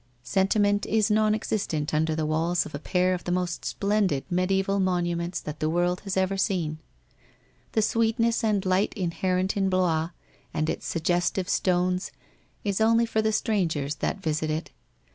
Sentiment is non existent under the walls of a pair of the most splendid mediseval monuments that the world has ever seen. The sweetness and light inherent in Blois and its suggestive stones is only for the strangers that visit it.